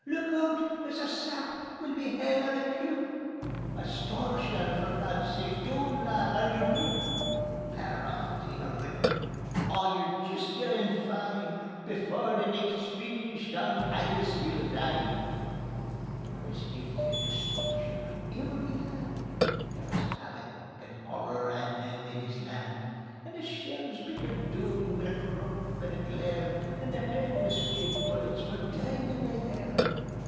Look oot! There's a sap; we'll be haein' a coup. A staur shell! For Godsake! Doun, lad, on yer daup. Bear aff tae yer richt. ... Aw yer jist daein' fine: Before the nicht's feenished on haggis we'll dine." There wis death and destruction on every hand; There wis havoc and horror on Naebuddy's Land. And the shells bickered doun wi' a crump and a glare, And the hameless wee bullets were dingin' the air.